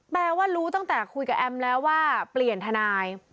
แปลว่ารู้ตั้งแต่คุยกับแอมแล้วว่าเปลี่ยนทนาย